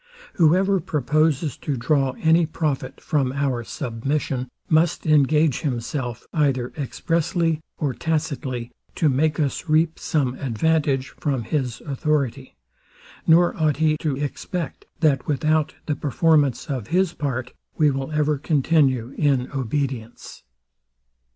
Whoever proposes to draw any profit from our submission, must engage himself, either expressly or tacitly, to make us reap some advantage from his authority; nor ought he to expect, that without the performance of his part we will ever continue in obedience.